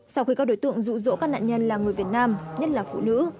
sau khi các đối tượng rụ rỗ các nạn nhân là người việt nam nhất là phụ nữ